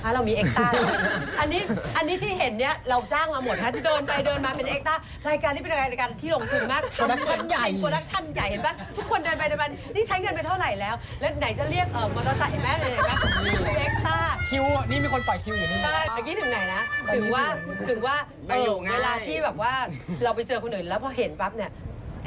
เวลาที่แบบว่าเราไปเจอคนอื่นแล้วพอเห็นปั๊บเนี่ย